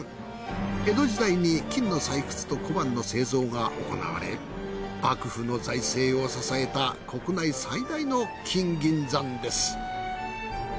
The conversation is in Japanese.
江戸時代に金の採掘と小判の製造が行われ幕府の財政を支えた国内最大の金銀山です。